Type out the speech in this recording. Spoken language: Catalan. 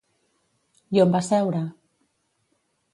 I on va seure?